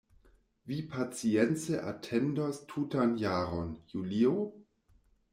Vi pacience atendos tutan jaron, Julio?